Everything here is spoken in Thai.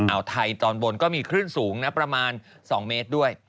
อาวไทยตอนบนมีขึ้นสูงประมาณ๒เมตรด้วย